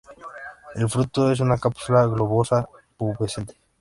El fruto es una cápsula globosa, pubescente.